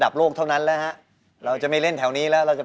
ก็ต้องทำร่างกายให้มันแข็งแบงขึ้นกว่าเดิม